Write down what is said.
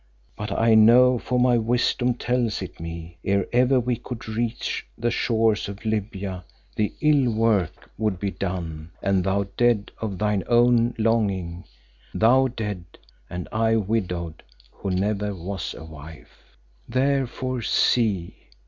But I know, for my wisdom tells it me, ere ever we could reach the shores of Libya, the ill work would be done, and thou dead of thine own longing, thou dead and I widowed who never was a wife. "Therefore see!